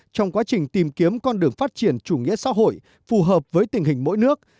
trong quá trình tìm kiếm con đường phát triển chủ nghĩa xã hội phù hợp với tình hình mỗi nước